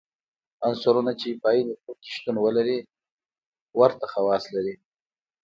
عنصرونه چې په عین ګروپ کې شتون ولري ورته خواص لري.